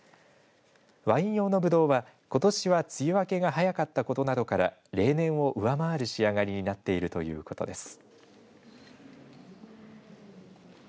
ワイン用のぶどうは、ことしは梅雨明けが早かったことなどから例年を上回る仕上がりになっているということです。